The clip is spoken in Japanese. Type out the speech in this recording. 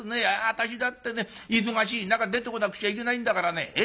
私だってね忙しい中出てこなくちゃいけないんだからね。